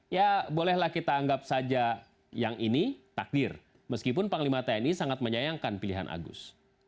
ya bolehlah kita anggap saja yang ini takdir meskipun panglima tni sangat menyayangkan pilihan agus